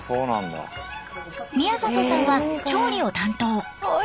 宮里さんは調理を担当。